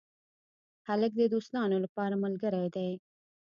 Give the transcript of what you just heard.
هلک د دوستانو لپاره ملګری دی.